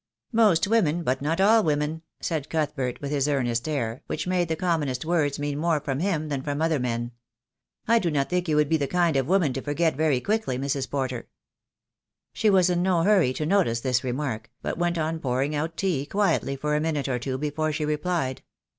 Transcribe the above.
"Most women, but not all women," said Cuthbert, with his earnest air, which made the commonest words mean more from him than from other men. "I do not think you would be the kind of woman to forget very quickly, Mrs. Porter." She was in no hurry to notice this remark, but went on pouring out tea quietly for a minute or two before she replied.